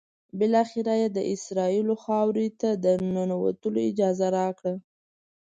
بالآخره یې د اسرائیلو خاورې ته د ننوتلو اجازه راکړه.